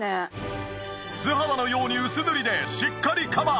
素肌のように薄塗りでしっかりカバー！